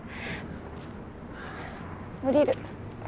降りる。